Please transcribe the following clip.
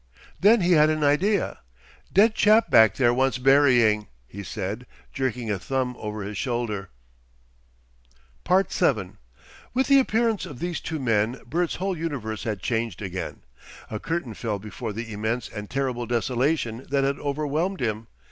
Then he had an idea. "Dead chap back there wants burying," he said, jerking a thumb over his shoulder. 7 With the appearance of these two men Bert's whole universe had changed again. A curtain fell before the immense and terrible desolation that had overwhelmed him.